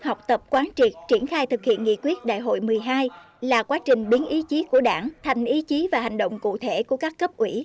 học tập quán triệt triển khai thực hiện nghị quyết đại hội một mươi hai là quá trình biến ý chí của đảng thành ý chí và hành động cụ thể của các cấp ủy